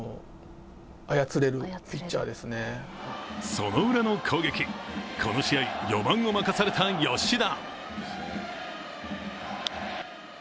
そのウラの攻撃、この試合、４番を任された吉田。